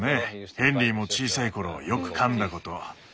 ヘンリーも小さいころよく噛んだこと。